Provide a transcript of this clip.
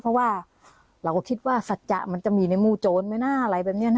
เพราะว่าเราก็คิดว่าสัจจะมันจะมีในมู่โจรไหมนะอะไรแบบนี้นะ